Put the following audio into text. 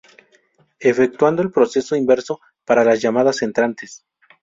Efectuando el proceso inverso para las llamadas entrantes.